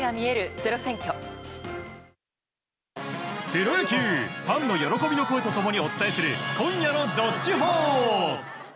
プロ野球ファンの喜びの声と共にお伝えする今夜の「＃どっちほー」。